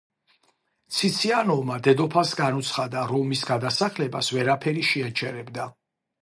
ციციანოვმა დედოფალს განუცხადა, რომ მის გადასახლებას ვერაფერი შეაჩერებდა.